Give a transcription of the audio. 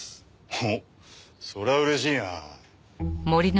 おっそれは嬉しいな。